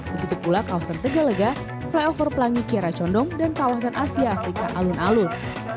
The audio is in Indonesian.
begitu pula kawasan tegalega flyover pelangi kiara condong dan kawasan asia afrika alun alun